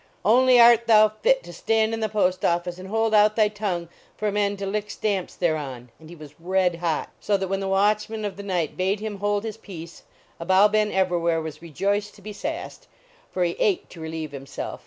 Only art thou fit to stand in the post office and hold out thy tongue for men to lick stamps thereon !" And he was red hot. So that when the 231 THE LEGEND OF THE GOOD DIU MMUII watchman of the night bade him hold his peace, Abou Ben Evrawhair was rejoiced to be sasscd, for he ached to relieve himself.